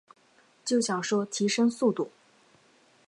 就想说提升速度